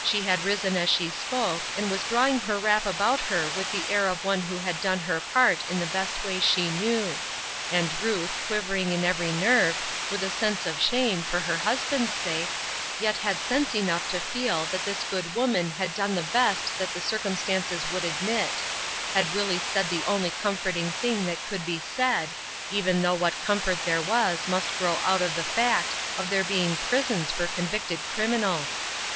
She had risen as she spoke, and was drawing her wrap about her with the air of one who had done her part in the best way she knew. And Ruth, quivering in every nerve, with a sense of shame, for her husband's sake, yet had sense UNDER GUIDANCE. 313 enough to feel that this good woman had done the best that the circumstances would admit ; had really said the only comforting thing that could be said, even though what comfort there was must grow out of the fact of there being prisons for convicted criminals.